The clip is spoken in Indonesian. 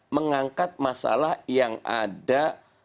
mengangkat masalah yang ada